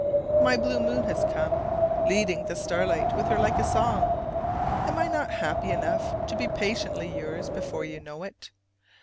My blue moon has come, leading the starlight with her like a song. Am I not happy enough to be patiently yours before you know it?